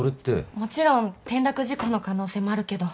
もちろん転落事故の可能性もあるけど。